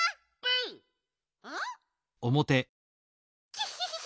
キヒヒヒ！